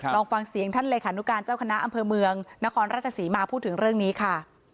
ลองฟังเสียงท่านเลขานุการเจ้าคณะอำเภอเมืองนครราชศรีมาพูดถึงเรื่องนี้ค่ะ